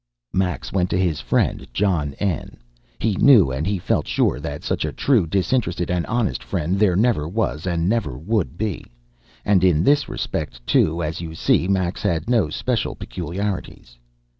Max went to his friend, John N. He knew and he felt sure that such a true, disinterested, and honest friend there never was and never would be. And in this respect, too, as you see, Max had no special peculiarities.